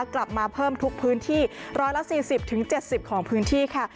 กลับมาเพิ่มทุกพื้นที่๑๔๐๗๐ของพื้นที่ค่ะ